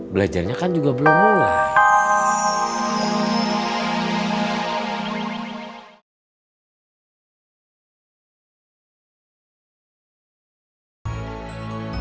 belajarnya kan juga belum mulai